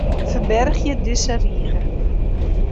Ferbergje dizze rige.